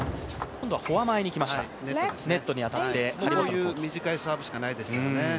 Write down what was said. こういう短いサーブしかないですもんね。